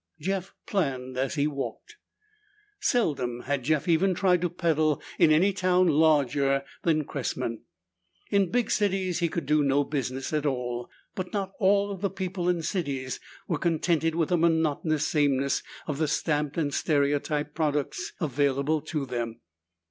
Jeff planned as he walked. Seldom had Jeff even tried to peddle in any town larger than Cressman; in big cities he could do no business at all. But not all of the people in cities were contented with the monotonous sameness of the stamped and stereotyped products available to them.